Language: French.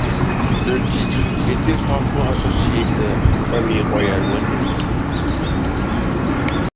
Le titre est étroitement associé à la famille royale britannique.